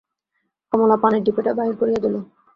কমলা পানের ডিপেটা বাহির করিয়া দিল।